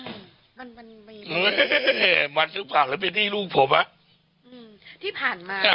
อืมมันมันมันซึ้งปากแล้วไปนี่ลูกผมอ่ะอืมที่ผ่านมาอ่ะ